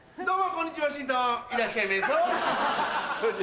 こんにちワシントンいらっしゃいめんそーれ。